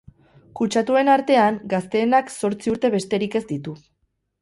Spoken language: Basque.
Kutsatuen artean, gazteenak zortzi urte besterik ez ditu.